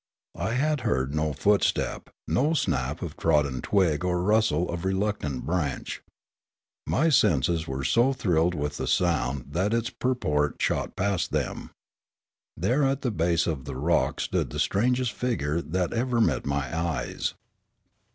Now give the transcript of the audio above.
I had heard no footstep, no snap of trodden twig or rustle of reluctant branch. My senses were so thrilled with the sound that its purport shot past them. There at the base of the rock stood the strangest figure that ever met my eyes.